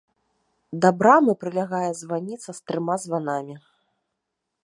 Да брамы прылягае званіца з трыма званамі.